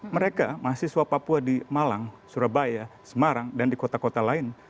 mereka mahasiswa papua di malang surabaya semarang dan di kota kota lain